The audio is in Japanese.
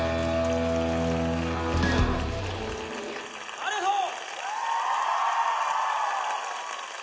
ありがとう！